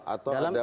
atau ada pergeseran